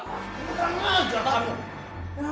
tidak mengajak kamu